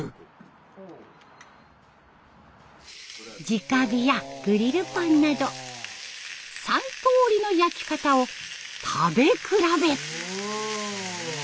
じか火やフライパンなど３通りの焼き方を食べ比べ。